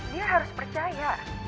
dia harus percaya